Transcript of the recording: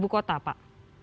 ibu kota pak